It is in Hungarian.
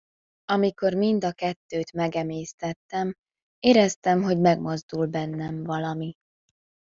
Amikor mind a kettőt megemésztettem, éreztem, hogy megmozdul bennem valami.